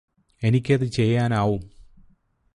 എനിക്കത് ചെയ്യാനാവും